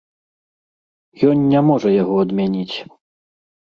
Ён не можа яго адмяніць.